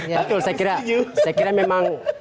betul saya kira memang